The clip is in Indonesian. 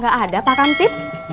ya udah aku mau pulang